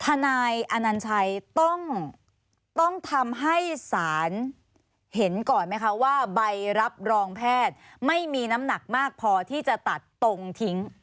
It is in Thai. นายอนัญชัยต้องทำให้ศาลเห็นก่อนไหมคะว่าใบรับรองแพทย์ไม่มีน้ำหนักมากพอที่จะตัดตรงทิ้ง